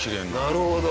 なるほど。